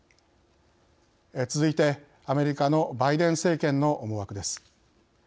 続いてアメリカのバイデン政権の思惑です。